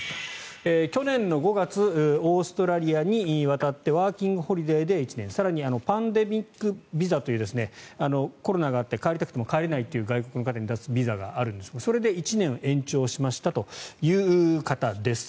去年５月オーストラリアに渡ってワーキングホリデーで１年更にパンデミックビザというコロナがあって帰りたくても帰れないという外国の方に出すビザがあるんですがそれで１年延長しましたという方です。